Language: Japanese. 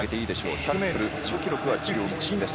１００ｍ自己記録は１０秒１２です。